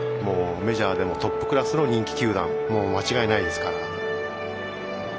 メジャーでもトップクラスの人気球団、間違いないですから。